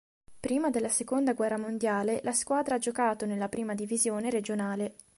Prima della seconda guerra mondiale la squadra ha giocato nella prima divisione regionale.